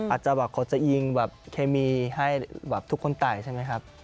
อาจจะเขาจะยิงเขมีให้ทุกคนตายใช่ไหมครับ